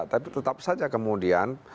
tapi tetap saja kemudian